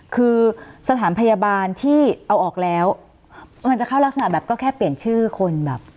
คือสถานพยาบาลที่เอาออกแล้วมันจะเข้ารักษณะแบบก็แค่เปลี่ยนชื่อคนแบบ